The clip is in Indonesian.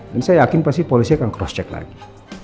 dan saya yakin pasti polisi akan cross check lagi